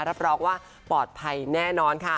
รับรองว่าปลอดภัยแน่นอนค่ะ